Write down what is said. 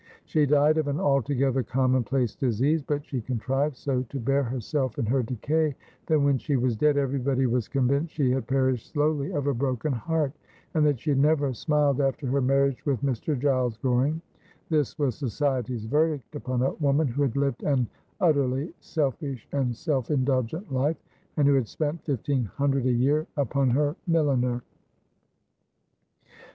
She died of an altogether common place disease, but she contrived so to bear herself in her decay, that when she was dead everybody was convinced she had perished slowly of a broken heart, and that she had never smiled after her marriage with Mr. Giles Goring. This was society's verdict upon a woman Avho had lived an utterly selfish and self indulgent life, and who had spent fifteen hundred a year upon her milliner.